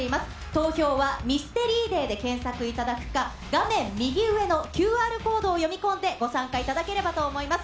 投票はミステリーデイで検索いただくか、画面右上のＱＲコードを読み込んでご参加いただければと思います。